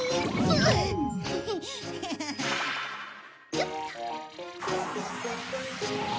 よっと！